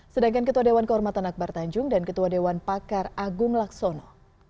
sedangkan ketua dewan kehormatan akbar tanjung dan ketua dewan pakar agung laksono